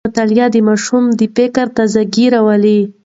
مطالعه د ماشوم د فکر تازه ګي راولي.